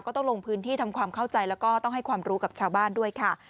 ต้องลงพื้นที่ทำความเข้าใจแล้วก็ต้องให้ความรู้กับชาวบ้านด้วยค่ะ